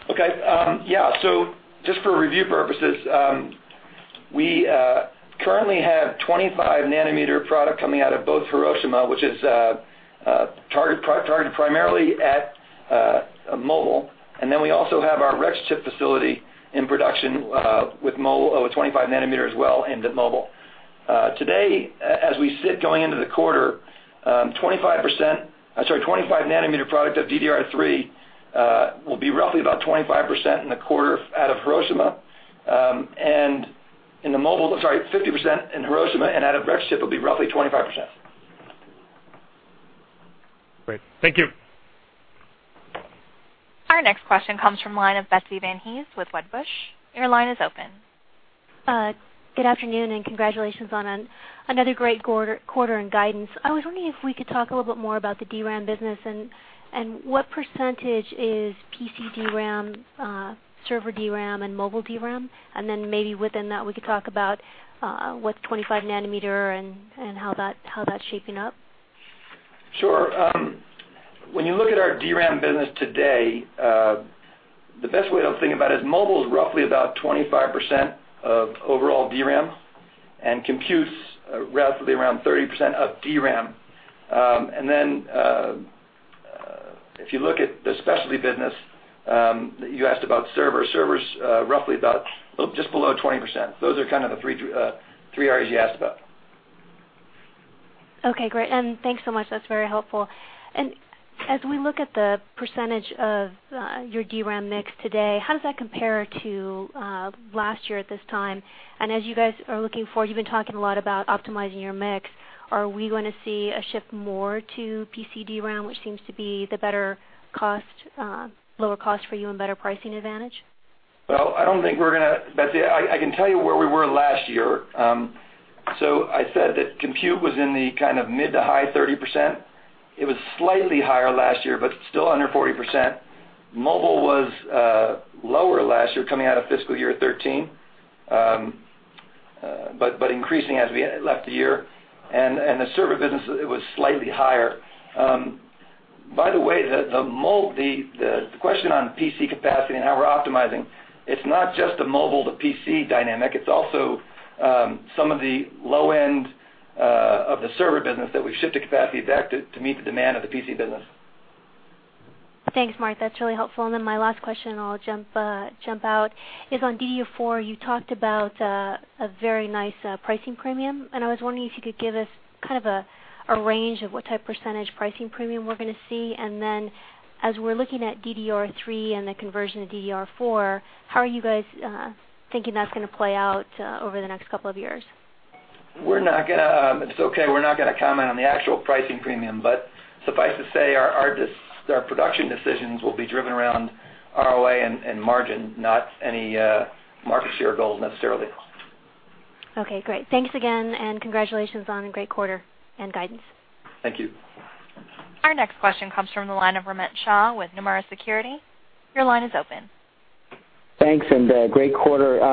Okay. Yeah. Just for review purposes, we currently have 25-nanometer product coming out of both Hiroshima, which is targeted primarily at mobile. We also have our Rexchip facility in production with 25-nanometer as well aimed at mobile. Today, as we sit going into the quarter, 25-nanometer product of DDR3 will be roughly about 25% in the quarter out of Hiroshima. Sorry, 50% in Hiroshima and out of Rexchip, it will be roughly 25%. Great. Thank you. Our next question comes from line of Betsy Van Hees with Wedbush. Your line is open. Good afternoon, congratulations on another great quarter and guidance. I was wondering if we could talk a little bit more about the DRAM business and what percentage is PC DRAM, server DRAM, and mobile DRAM. Then maybe within that, we could talk about what 25-nanometer and how that's shaping up. Sure. When you look at our DRAM business today, the best way to think about it is mobile is roughly about 25% of overall DRAM. Computes roughly around 30% of DRAM. Then, if you look at the specialty business, you asked about server. Server's roughly about just below 20%. Those are kind of the three areas you asked about. Okay, great. Thanks so much. That's very helpful. As we look at the percentage of your DRAM mix today, how does that compare to last year at this time? As you guys are looking forward, you've been talking a lot about optimizing your mix. Are we going to see a shift more to PC DRAM, which seems to be the better lower cost for you and better pricing advantage? Well, Betsy, I can tell you where we were last year. I said that compute was in the kind of mid to high 30%. It was slightly higher last year, but still under 40%. Mobile was lower last year coming out of fiscal year 2013. Increasing as we left the year. The server business, it was slightly higher. By the way, the question on PC capacity and how we're optimizing, it's not just the mobile to PC dynamic, it's also some of the low end of the server business that we've shifted capacity back to meet the demand of the PC business. Thanks, Mark. That's really helpful. My last question, and I'll jump out, is on DDR4. You talked about a very nice pricing premium, I was wondering if you could give us kind of a range of what type of % pricing premium we're going to see. As we're looking at DDR3 and the conversion to DDR4, how are you guys thinking that's going to play out over the next couple of years? If it's okay, we're not going to comment on the actual pricing premium, suffice to say, our production decisions will be driven around ROA and margin, not any market share goals necessarily. Okay, great. Thanks again, Congratulations on a great quarter and guidance. Thank you. Our next question comes from the line of Romit Shah with Nomura Securities. Your line is open. Thanks, Great quarter.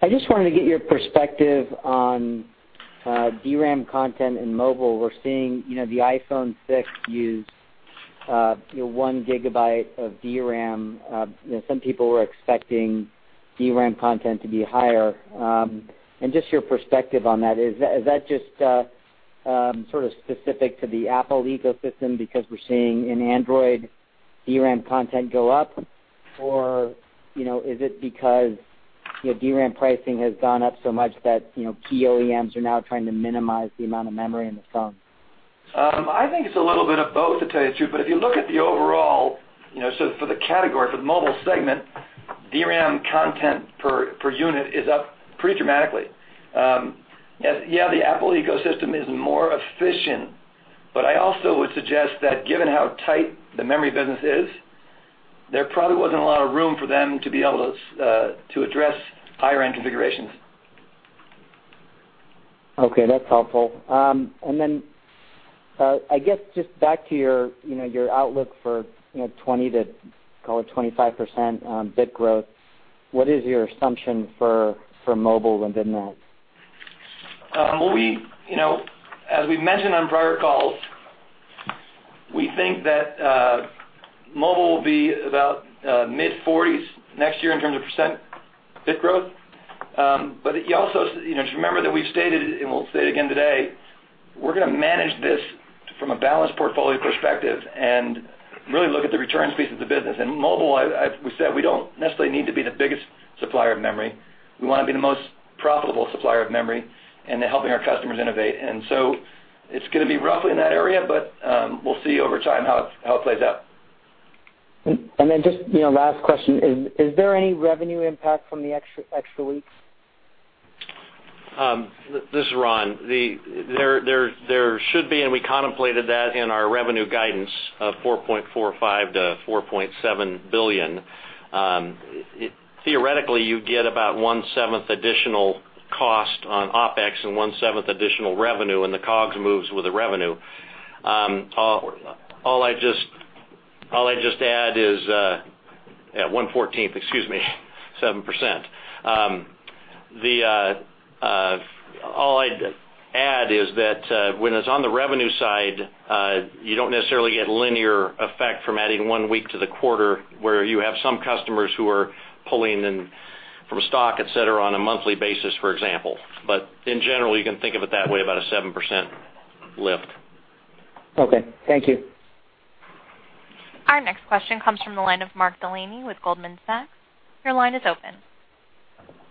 I just wanted to get your perspective on DRAM content in mobile. We're seeing the iPhone 6 use one gigabyte of DRAM. Some people were expecting DRAM content to be higher. Just your perspective on that. Is that just sort of specific to the Apple ecosystem because we're seeing in Android, DRAM content go up? Or is it because DRAM pricing has gone up so much that key OEMs are now trying to minimize the amount of memory in the phone? I think it's a little bit of both, to tell you the truth. If you look at the overall, so for the category, for the mobile segment, DRAM content per unit is up pretty dramatically. The Apple ecosystem is more efficient, but I also would suggest that given how tight the memory business is, there probably wasn't a lot of room for them to be able to address higher-end configurations. Okay, that's helpful. Then I guess, just back to your outlook for 20%-25% bit growth. What is your assumption for mobile within that? As we've mentioned on prior calls, we think that mobile will be about mid-40s% next year in terms of bit growth. You also should remember that we've stated, and we'll state again today, we're going to manage this from a balanced portfolio perspective and really look at the returns piece of the business. Mobile, as we said, we don't necessarily need to be the biggest supplier of memory. We want to be the most profitable supplier of memory and helping our customers innovate. So it's going to be roughly in that area, but we'll see over time how it plays out. Then just last question. Is there any revenue impact from the extra weeks? This is Ron. There should be, and we contemplated that in our revenue guidance of $4.45 billion-$4.7 billion. Theoretically, you get about one-seventh additional cost on OpEx and one-seventh additional revenue, and the COGS moves with the revenue. Yeah, one-fourteenth, excuse me, 7%. All I'd add is that when it's on the revenue side, you don't necessarily get linear effect from adding one week to the quarter where you have some customers who are pulling in from stock, et cetera, on a monthly basis, for example. In general, you can think of it that way, about a 7% lift. Okay. Thank you. Our next question comes from the line of Mark Delaney with Goldman Sachs. Your line is open.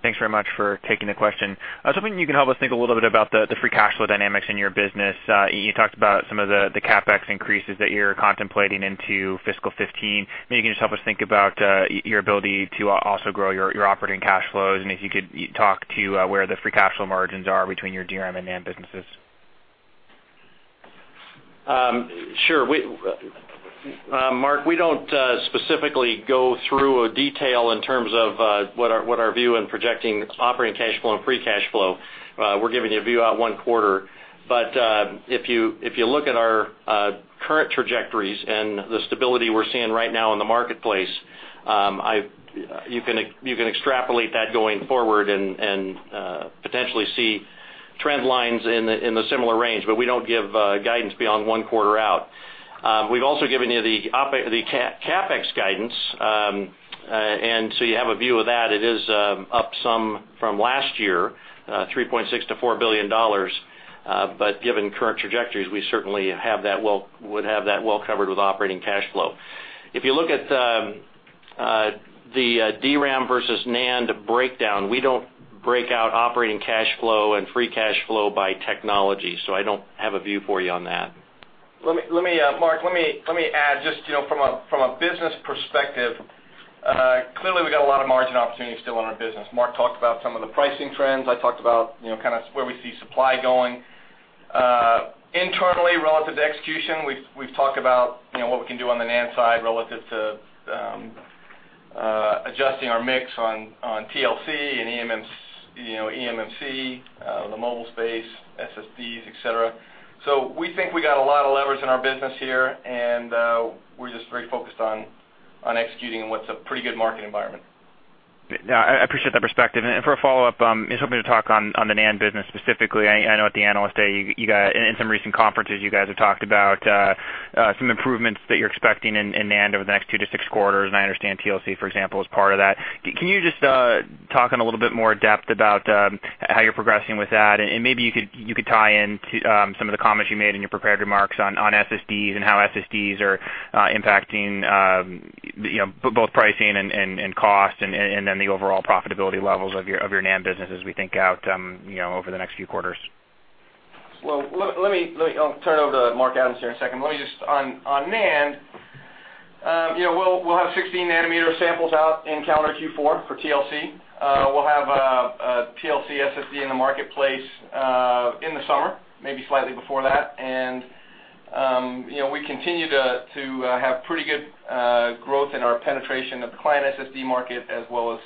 Thanks very much for taking the question. I was hoping you can help us think a little bit about the free cash flow dynamics in your business. You talked about some of the CapEx increases that you're contemplating into fiscal 2015. Maybe you can just help us think about your ability to also grow your operating cash flows, and if you could talk to where the free cash flow margins are between your DRAM and NAND businesses. Sure. Mark, we don't specifically go through a detail in terms of what our view in projecting operating cash flow and free cash flow. We're giving you a view out one quarter. If you look at our current trajectories and the stability we're seeing right now in the marketplace, you can extrapolate that going forward and potentially see trend lines in the similar range. We don't give guidance beyond one quarter out. We've also given you the CapEx guidance. You have a view of that. It is up some from last year, $3.6 billion-$4 billion. Given current trajectories, we certainly would have that well covered with operating cash flow. If you look at the DRAM versus NAND breakdown, we don't break out operating cash flow and free cash flow by technology. I don't have a view for you on that. Mark, let me add, just from a business perspective, clearly we've got a lot of margin opportunities still in our business. Mark talked about some of the pricing trends. I talked about where we see supply going. Internally, relative to execution, we've talked about what we can do on the NAND side relative to adjusting our mix on TLC and eMMC, the mobile space, SSDs, et cetera. We think we got a lot of levers in our business here, and we're just very focused on executing in what's a pretty good market environment. Yeah, I appreciate that perspective. For a follow-up, I was hoping to talk on the NAND business specifically. I know at the Analyst Day, and in some recent conferences, you guys have talked about some improvements that you're expecting in NAND over the next two to six quarters, and I understand TLC, for example, is part of that. Can you just talk in a little bit more depth about how you're progressing with that? Maybe you could tie in some of the comments you made in your prepared remarks on SSDs and how SSDs are impacting both pricing and cost, and then the overall profitability levels of your NAND business as we think out over the next few quarters. Well, I'll turn it over to Mark Adams here in a second. Let me just, on NAND, we'll have 16-nanometer samples out in calendar Q4 for TLC. We'll have a TLC SSD in the marketplace in the summer, maybe slightly before that. We continue to have pretty good growth in our penetration of the client SSD market, as well as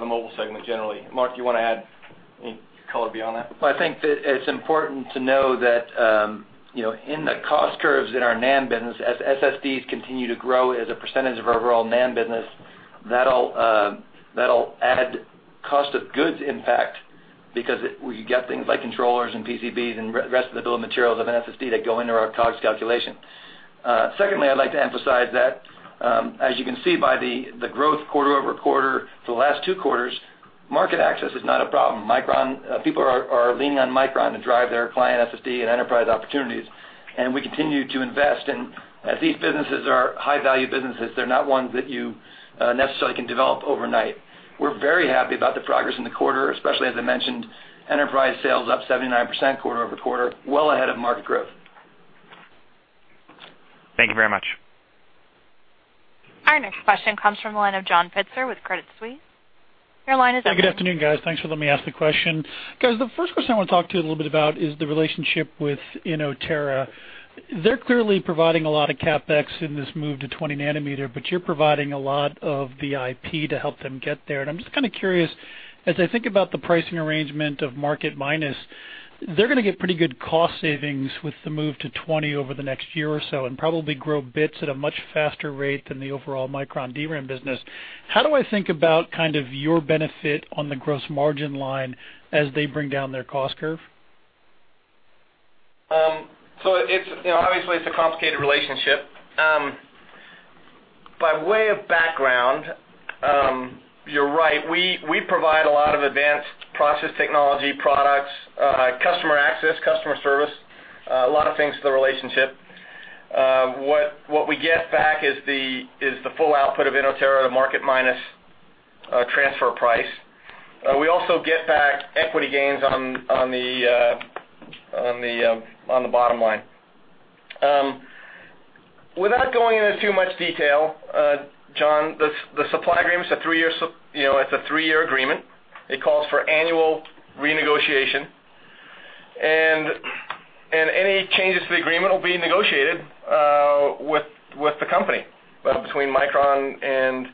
the mobile segment generally. Mark, you want to add any color beyond that? Well, I think that it's important to know that in the cost curves in our NAND business, as SSDs continue to grow as a percentage of our overall NAND business, that'll add cost of goods impact, because we get things like controllers and PCBs and the rest of the bill of materials of an SSD that go into our COGS calculation. Secondly, I'd like to emphasize that, as you can see by the growth quarter-over-quarter for the last two quarters, market access is not a problem. People are leaning on Micron to drive their client SSD and enterprise opportunities. We continue to invest in, as these businesses are high-value businesses, they're not ones that you necessarily can develop overnight. We're very happy about the progress in the quarter, especially as I mentioned, enterprise sales up 79% quarter-over-quarter, well ahead of market growth. Thank you very much. Our next question comes from the line of John Pitzer with Credit Suisse. Your line is open. Good afternoon, guys. Thanks for letting me ask the question. Guys, the first question I want to talk to you a little bit about is the relationship with Inotera. They're clearly providing a lot of CapEx in this move to 20-nanometer, but you're providing a lot of IP to help them get there. I'm just kind of curious, as I think about the pricing arrangement of market minus, they're going to get pretty good cost savings with the move to 20 over the next year or so and probably grow bits at a much faster rate than the overall Micron DRAM business. How do I think about your benefit on the gross margin line as they bring down their cost curve? Obviously, it's a complicated relationship. By way of background, you're right, we provide a lot of advanced process technology products, customer access, customer service, a lot of things to the relationship. What we get back is the full output of Inotera, the market minus transfer price. We also get back equity gains on the bottom line. Without going into too much detail, John, the supply agreement, it's a three-year agreement. It calls for annual renegotiation. Any changes to the agreement will be negotiated with the company, between Micron and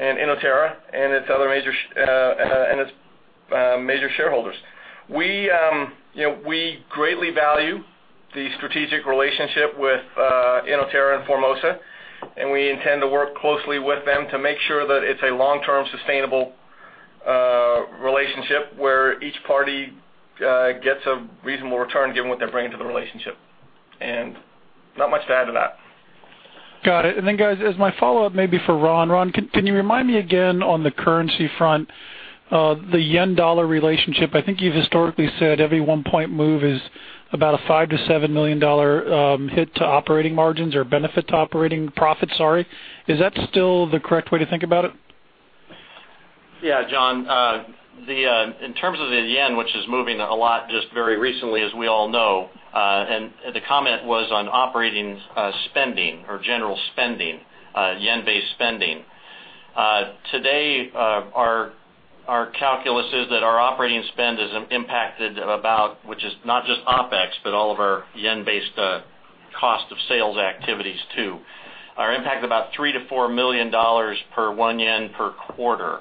Inotera and its major shareholders. We greatly value the strategic relationship with Inotera and Formosa, and we intend to work closely with them to make sure that it's a long-term sustainable relationship where each party gets a reasonable return given what they're bringing to the relationship. Not much to add to that. Got it. Then guys, as my follow-up may be for Ron. Ron, can you remind me again on the currency front, the yen-dollar relationship, I think you've historically said every one-point move is about a $5 million to $7 million hit to operating margins or benefit to operating profit, sorry. Is that still the correct way to think about it? Yeah, John. In terms of the yen, which is moving a lot just very recently, as we all know, the comment was on operating spending or general spending, yen-based spending. Today, our calculus is that our operating spend is impacted about, which is not just OpEx, but all of our yen-based cost of sales activities too, are impacted about $3 million to $4 million per one yen per quarter.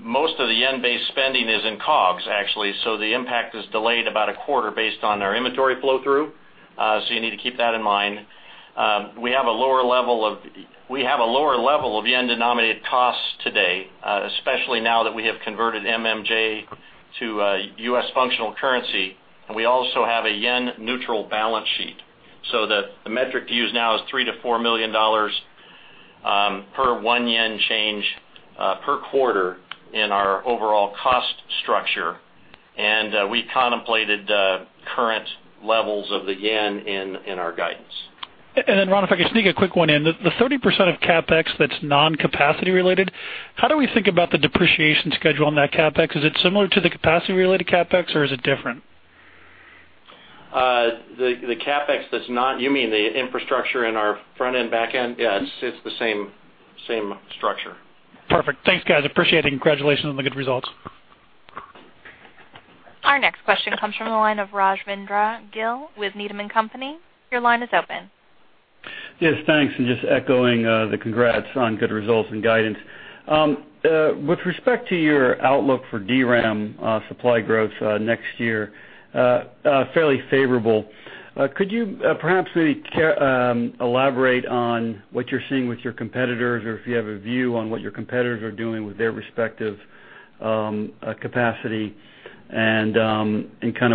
Most of the yen-based spending is in COGS, actually, so the impact is delayed about a quarter based on our inventory flow-through, so you need to keep that in mind. We have a lower level of yen-denominated costs today, especially now that we have converted MMJ to U.S. functional currency. We also have a yen-neutral balance sheet, so that the metric to use now is $3 million to $4 million per one yen change per quarter in our overall cost structure. We contemplated the current levels of the yen in our guidance. Ron, if I could sneak a quick one in. The 30% of CapEx that's non-capacity related, how do we think about the depreciation schedule on that CapEx? Is it similar to the capacity-related CapEx, or is it different? The CapEx that's not. You mean the infrastructure in our front end, back end? Yes, it's the same structure. Perfect. Thanks, guys. Appreciate it, and congratulations on the good results. Our next question comes from the line of Rajvindra Gill with Needham & Company. Your line is open. Yes, thanks. Just echoing the congrats on good results and guidance. With respect to your outlook for DRAM supply growth next year, fairly favorable. Could you perhaps maybe elaborate on what you're seeing with your competitors, or if you have a view on what your competitors are doing with their respective capacity, and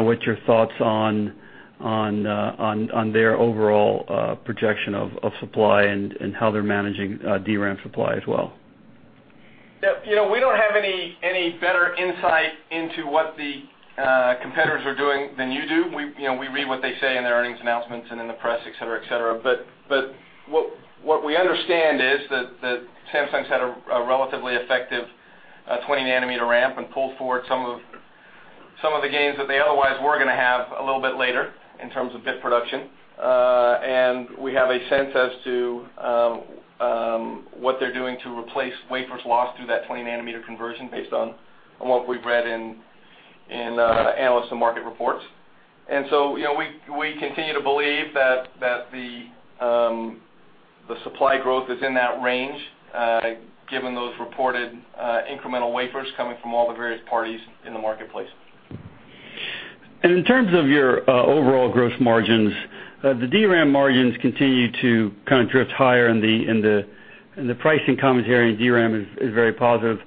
what's your thoughts on their overall projection of supply and how they're managing DRAM supply as well? We don't have any better insight into what the competitors are doing than you do. We read what they say in their earnings announcements and in the press, et cetera. What we understand is that Samsung's had a relatively effective 20-nanometer ramp and pulled forward some of the gains that they otherwise were going to have a little bit later, in terms of bit production. We have a sense as to what they're doing to replace wafers lost through that 20-nanometer conversion based on what we've read in analyst and market reports. We continue to believe that the supply growth is in that range given those reported incremental wafers coming from all the various parties in the marketplace. In terms of your overall gross margins, the DRAM margins continue to kind of drift higher in the pricing commentary. DRAM is very positive.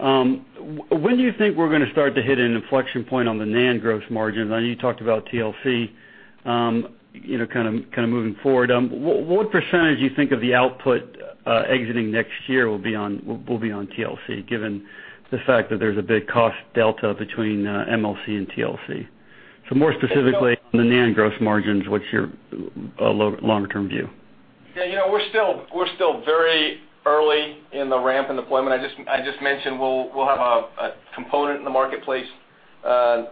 When do you think we're going to start to hit an inflection point on the NAND gross margins? I know you talked about TLC kind of moving forward. What percentage do you think of the output exiting next year will be on TLC, given the fact that there's a big cost delta between MLC and TLC? More specifically, on the NAND gross margins, what's your long-term view? We're still very early in the ramp and deployment. I just mentioned we'll have a component in the marketplace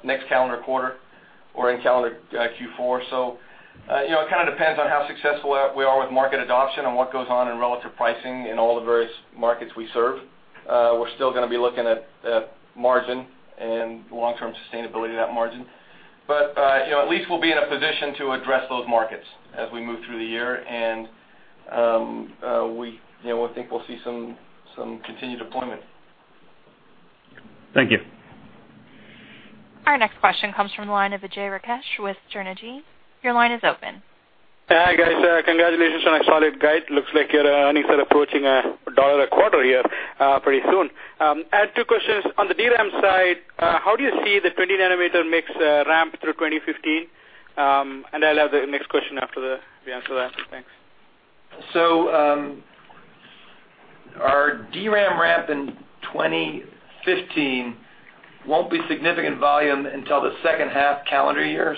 next calendar quarter or in calendar Q4. It kind of depends on how successful we are with market adoption and what goes on in relative pricing in all the various markets we serve. We're still going to be looking at margin and long-term sustainability of that margin. At least we'll be in a position to address those markets as we move through the year, and we think we'll see some continued deployment. Thank you. Our next question comes from the line of Vijay Rakesh with Jernity. Your line is open. Hi, guys. Congratulations on a solid guide. Looks like your earnings are approaching $1 a quarter here pretty soon. I had two questions. On the DRAM side, how do you see the 20-nanometer mix ramp through 2015? I'll have the next question after you answer that. Thanks. Our DRAM ramp in 2015 won't be significant volume until the second half calendar year.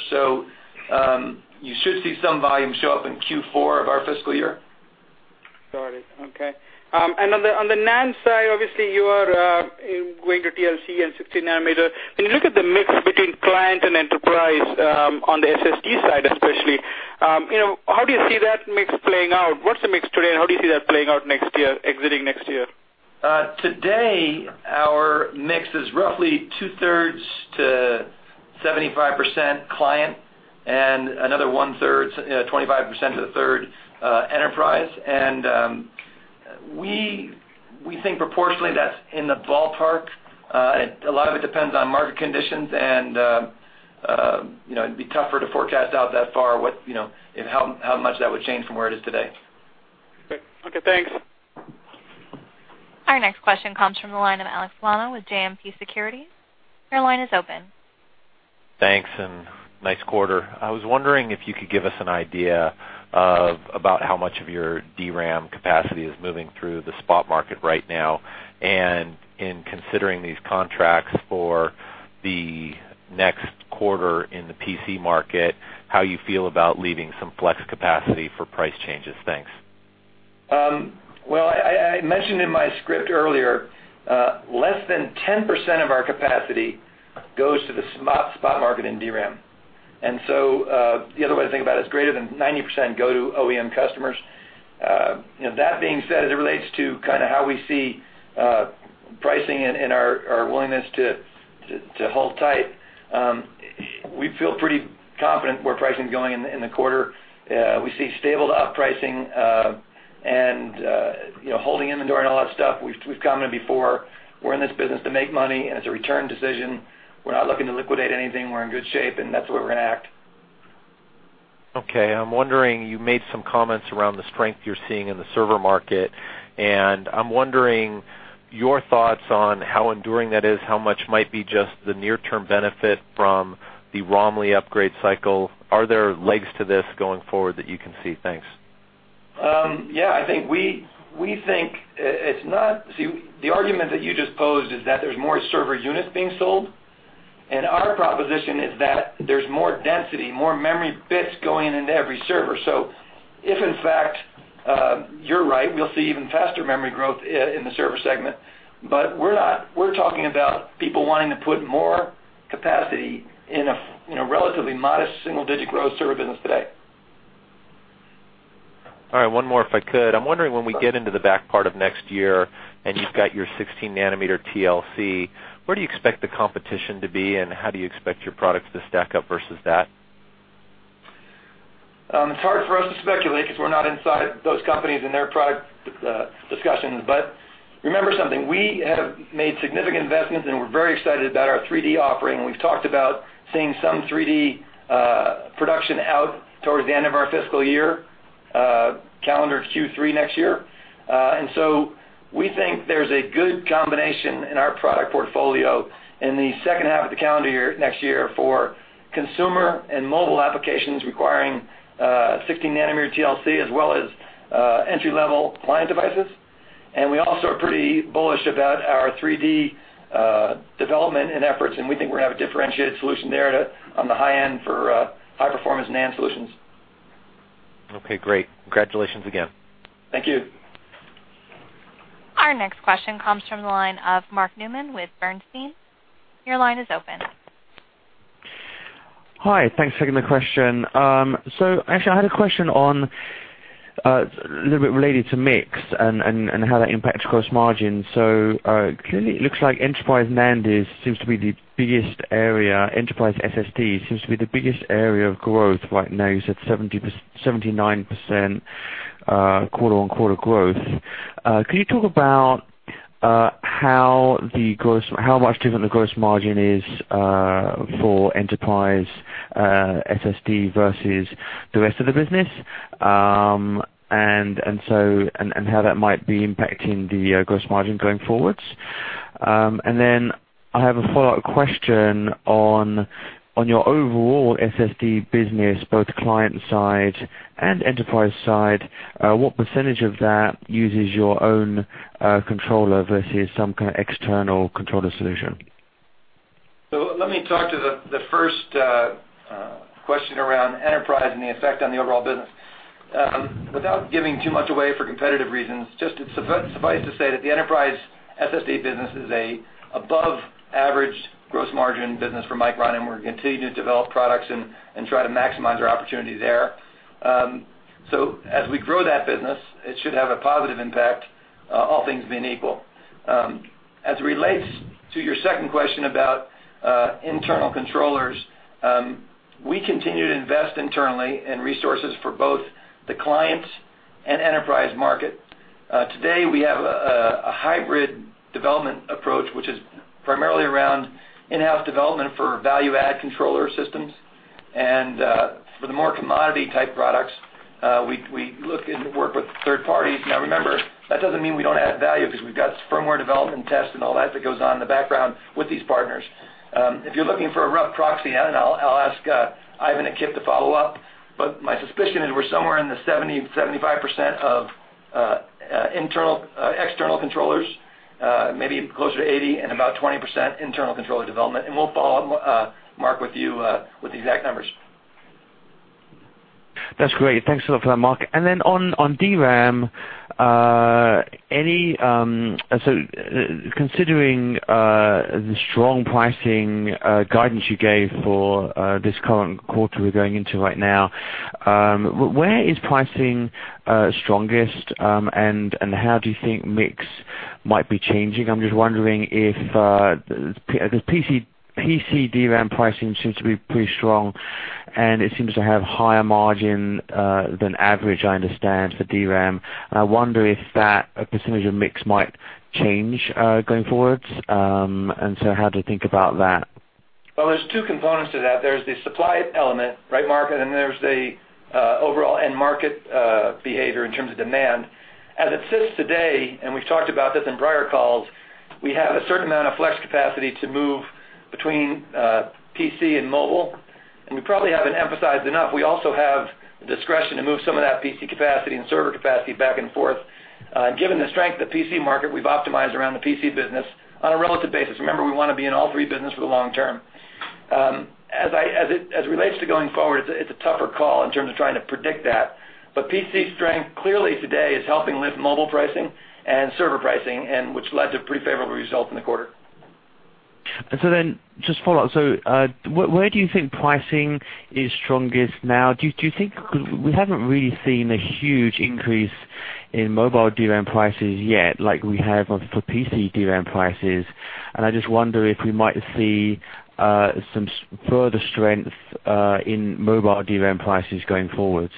You should see some volume show up in Q4 of our fiscal year. Got it. Okay. On the NAND side, obviously, you are going to TLC and 16-nanometer. When you look at the mix between client and enterprise, on the SSD side especially, how do you see that mix playing out? What's the mix today, and how do you see that playing out exiting next year? Today, our mix is roughly two-thirds to 75% client and another one-third, 25% to the third enterprise. We think proportionally that's in the ballpark. A lot of it depends on market conditions, and it'd be tougher to forecast out that far how much that would change from where it is today. Great. Okay, thanks. Our next question comes from the line of Alex Gauna with JMP Securities. Your line is open. Thanks. Nice quarter. I was wondering if you could give us an idea of about how much of your DRAM capacity is moving through the spot market right now. In considering these contracts for the next quarter in the PC market, how you feel about leaving some flex capacity for price changes. Thanks. Well, I mentioned in my script earlier, less than 10% of our capacity goes to the spot market in DRAM. So the other way to think about it is greater than 90% go to OEM customers. That being said, as it relates to kind of how we see pricing and our willingness to hold tight, we feel pretty confident where pricing is going in the quarter. We see stable-to-up pricing. Holding inventory and all that stuff, we've commented before. We're in this business to make money, and it's a return decision. We're not looking to liquidate anything. We're in good shape, and that's the way we're going to act. Okay. I'm wondering, you made some comments around the strength you're seeing in the server market, and I'm wondering your thoughts on how enduring that is, how much might be just the near-term benefit from the Romley upgrade cycle. Are there legs to this going forward that you can see? Thanks. Yeah. The argument that you just posed is that there's more server units being sold, and our proposition is that there's more density, more memory bits going into every server. If, in fact, you're right, we'll see even faster memory growth in the server segment. We're talking about people wanting to put more capacity in a relatively modest single-digit growth server business today. All right. One more, if I could. I'm wondering when we get into the back part of next year, and you've got your 16-nanometer TLC, where do you expect the competition to be, and how do you expect your products to stack up versus that? It's hard for us to speculate because we're not inside those companies and their product discussions. Remember something, we have made significant investments, and we're very excited about our 3D offering, and we've talked about seeing some 3D production out towards the end of our fiscal year, calendar Q3 next year. We think there's a good combination in our product portfolio in the second half of the calendar year, next year, for consumer and mobile applications requiring 16-nanometer TLC, as well as entry-level client devices. We also are pretty bullish about our 3D development and efforts, and we think we're going to have a differentiated solution there on the high-end for high-performance NAND solutions. Okay, great. Congratulations again. Thank you. Our next question comes from the line of Mark Newman with Bernstein. Your line is open. Hi. Thanks for taking the question. Actually, I had a question on a little bit related to mix and how that impacts gross margin. Clearly, it looks like enterprise NAND seems to be the biggest area, enterprise SSD seems to be the biggest area of growth right now. You said 79% quarter-on-quarter growth. Can you talk about how much different the gross margin is for enterprise SSD versus the rest of the business, and how that might be impacting the gross margin going forwards? I have a follow-up question on your overall SSD business, both client side and enterprise side. What percentage of that uses your own controller versus some kind of external controller solution? Let me talk to the first question around enterprise and the effect on the overall business. Without giving too much away for competitive reasons, just suffice to say that the enterprise SSD business is an above-average gross margin business for Micron, and we're continuing to develop products and try to maximize our opportunity there. As we grow that business, it should have a positive impact, all things being equal. As it relates to your second question about internal controllers, we continue to invest internally in resources for both the clients and enterprise market. Today, we have a hybrid development approach, which is primarily around in-house development for value-add controller systems. For the more commodity-type products, we look and work with third parties. Remember, that doesn't mean we don't add value because we've got firmware development tests and all that that goes on in the background with these partners. If you're looking for a rough proxy, I'll ask Ivan and Kip to follow up, but my suspicion is we're somewhere in the 70%-75% of external controllers, maybe closer to 80, and about 20% internal controller development. We'll follow up, Mark, with you with the exact numbers. That's great. Thanks a lot for that, Mark. Then on DRAM, considering the strong pricing guidance you gave for this current quarter we're going into right now, where is pricing strongest, and how do you think mix might be changing? I'm just wondering if the PC DRAM pricing seems to be pretty strong, and it seems to have higher margin than average, I understand, for DRAM. I wonder if that percentage of mix might change going forward. How do you think about that? There's two components to that. There's the supply element, right, Mark? Then there's the overall end market behavior in terms of demand. As it sits today, we've talked about this in prior calls, we have a certain amount of flex capacity to move between PC and mobile, and we probably haven't emphasized enough, we also have the discretion to move some of that PC capacity and server capacity back and forth. Given the strength of the PC market, we've optimized around the PC business on a relative basis. Remember, we want to be in all three business for the long term. As it relates to going forward, it's a tougher call in terms of trying to predict that. PC strength clearly today is helping lift mobile pricing and server pricing, which led to pretty favorable results in the quarter. Just follow up. Where do you think pricing is strongest now? We haven't really seen a huge increase in mobile DRAM prices yet like we have for PC DRAM prices, and I just wonder if we might see some further strength in mobile DRAM prices going forward.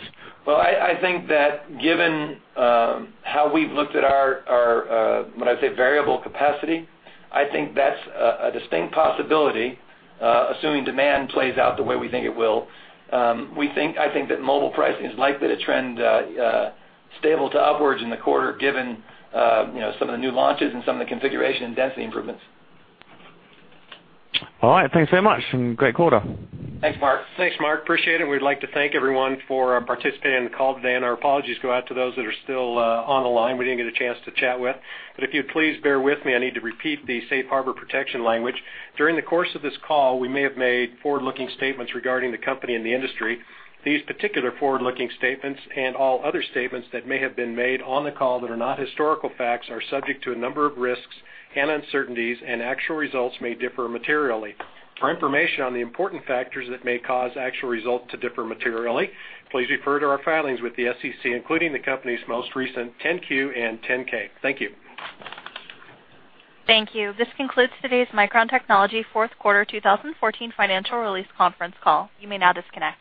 Well, I think that given how we've looked at our, what I'd say, variable capacity, I think that's a distinct possibility, assuming demand plays out the way we think it will. I think that mobile pricing is likely to trend stable to upwards in the quarter given some of the new launches and some of the configuration and density improvements. All right. Thanks very much, and great quarter. Thanks, Mark. Thanks, Mark. Appreciate it. We'd like to thank everyone for participating in the call today, and our apologies go out to those that are still on the line we didn't get a chance to chat with. If you'd please bear with me, I need to repeat the safe harbor protection language. During the course of this call, we may have made forward-looking statements regarding the company and the industry. These particular forward-looking statements and all other statements that may have been made on the call that are not historical facts are subject to a number of risks and uncertainties, and actual results may differ materially. For information on the important factors that may cause actual results to differ materially, please refer to our filings with the SEC, including the company's most recent 10-Q and 10-K. Thank you. Thank you. This concludes today's Micron Technology fourth quarter 2014 financial release conference call. You may now disconnect.